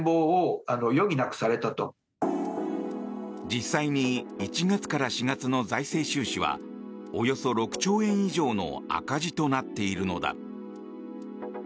実際に１月から４月の財政収支はおよそ６兆円以上の赤字となっているのだ。